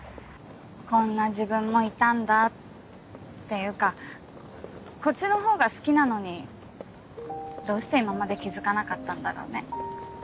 こんな自分もいたんだっていうかこっちの方が好きなのにどうして今まで気付かなかったんだろうね。